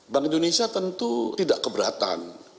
bank indonesia tentu tidak keberatan